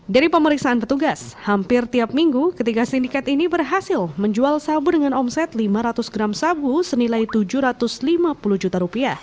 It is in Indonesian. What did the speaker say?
dari pemeriksaan petugas hampir tiap minggu ketiga sindikat ini berhasil menjual sabu dengan omset lima ratus gram sabu senilai rp tujuh ratus lima puluh juta